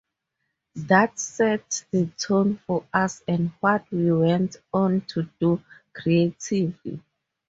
That set the tone for us and what we went on to do creatively.